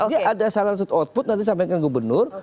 dia ada salaransut output nanti sampai ke gubernur